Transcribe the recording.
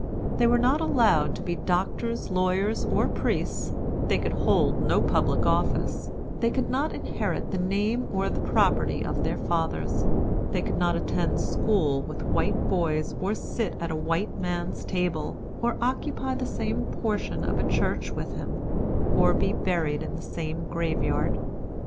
They were not allowed to be doctors, lawyers, or priests; they could hold no public office; they could not inherit the name or the property of their fathers; they could not attend school with white boys, or sit at a white man's table, or occupy the same portion of a church with him, or be buried in the same graveyard.